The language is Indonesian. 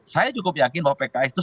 saya cukup yakin bahwa pks itu